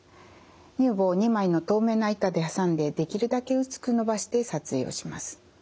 乳房を２枚の透明な板で挟んでできるだけ薄くのばして撮影をします。